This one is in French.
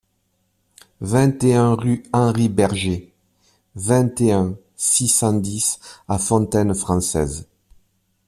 vingt et un rue Henry Berger, vingt et un, six cent dix à Fontaine-Française